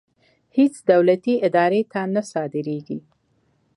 هېڅ دولتي ادارې ته نه صادرېږي.